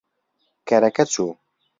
کەرەکە چوو.